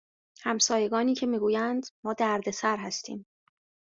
همسایگانی که می گویند ما دردسر هستیم